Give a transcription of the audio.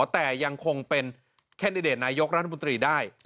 แต่ยังคงเป็นแคนดิเดตนายกรัฐมนตรีได้